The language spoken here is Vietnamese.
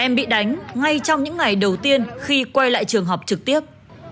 em bị đánh ngay trong những ngày đầu tiên khi quay lại trường học trực tiếp